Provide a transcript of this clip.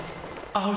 合う！！